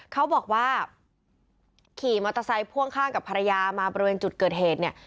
เขาบอกว่าขี่มอเตอร์ไซค์พ่วงข้างกับภรรยามาบริเวณจุดเกิดเหตุเนี่ย